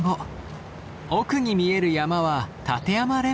奥に見える山は立山連峰。